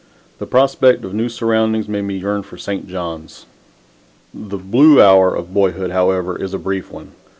The prospect of new surroundings made me yearn for St. John's. The "blue hour" of boyhood, however, is a brief one.